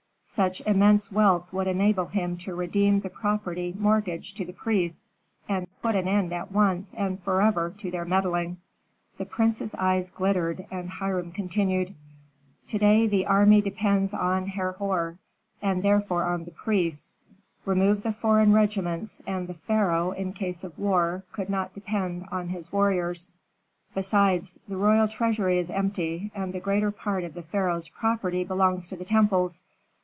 Such immense wealth would enable him to redeem the property mortgaged to the priests, and put an end at once and forever to their meddling." The prince's eyes glittered, and Hiram continued, "To day the army depends on Herhor, and therefore on the priests; remove the foreign regiments, and the pharaoh, in case of war, could not depend on his warriors. "Besides, the royal treasury is empty, and the greater part of the pharaoh's property belongs to the temples.